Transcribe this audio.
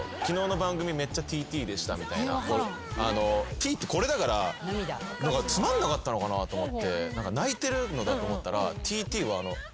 「Ｔ」ってこれだからつまんなかったのかなと思って泣いてるのだと思ったら。